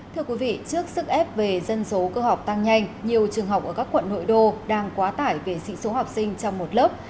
thưa quý vị trước sức ép về dân số cơ học tăng nhanh nhiều trường học ở các quận nội đô đang quá tải về sĩ số học sinh trong một lớp